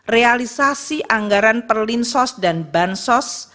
realisasi anggaran perlinsos dan bansos